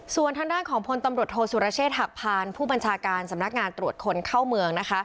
ส่วนทางด้านของพลตำรวจโทษสุรเชษฐหักพานผู้บัญชาการสำนักงานตรวจคนเข้าเมืองนะคะ